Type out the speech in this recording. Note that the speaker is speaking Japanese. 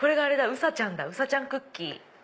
うさちゃんだうさちゃんクッキー。